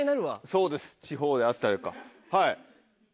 そうです地方であったりとかはい。